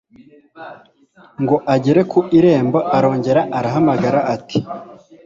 Ngo agere ku irembo arongera arahamagara ati